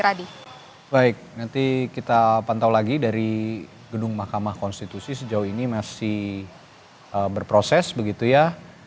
baik nanti kita pantau lagi dari gedung mahkamah konstitusi sejauh ini masih berproses begitu ya